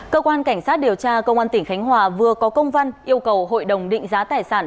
cơ quan cảnh sát điều tra công an tỉnh khánh hòa vừa có công văn yêu cầu hội đồng định giá tài sản